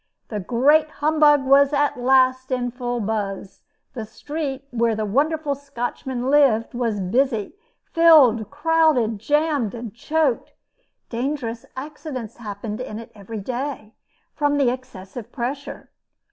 The Great Humbug was at last in full buzz. The street where the wonderful Scotchman lived was busy, filled, crowded, jammed, choked. Dangerous accidents happened in it every day, from the excessive pressure.